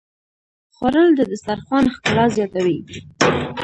خوړل د دسترخوان ښکلا زیاتوي